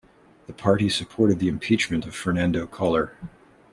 The party supported the Impeachment of Fernando Collor.